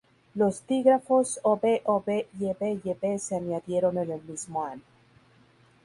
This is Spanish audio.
Los dígrafos Оь оь, Уь уь se añadieron en el mismo año.